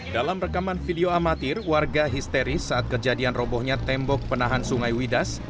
dalam rekaman video amatir warga histeris saat kejadian robohnya tembok penahan sungai widas